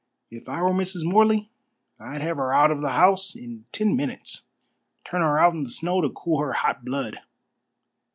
If I were Mrs. Morley I'd have her out of the house in ten minutes. Turn her out in the snow to cool her hot blood.